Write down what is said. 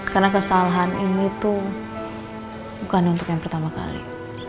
karena kesalahan ini tuh bukan untuk yang pertama kali